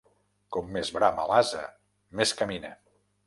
Com més brama l'ase, més camina.